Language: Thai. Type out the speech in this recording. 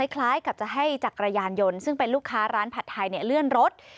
คล้ายกับจะให้จักรยานยนต์ซึ่งเป็นลูกค้าร้านผัดไทยเลื่อนรถ